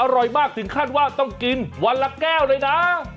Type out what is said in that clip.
อร่อยมากถึงขั้นว่าต้องกินวันละแก้วเลยนะ